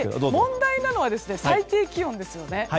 問題なのは最低気温ですね。